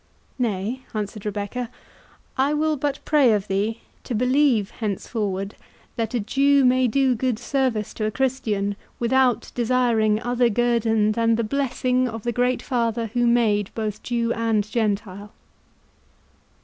"Nay," answered Rebecca, "I will but pray of thee to believe henceforward that a Jew may do good service to a Christian, without desiring other guerdon than the blessing of the Great Father who made both Jew and Gentile."